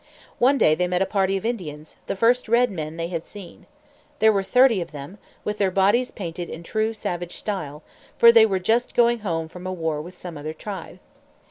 One day they met a party of Indians, the first red men they had seen. There were thirty of them, with their bodies painted in true savage style; for they were just going home from a war with some other tribe.